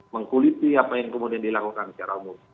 mengkuliti apa yang kemudian dilakukan secara umum